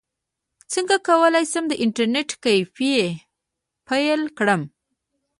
څنګه کولی شم د انټرنیټ کیفې پیل کړم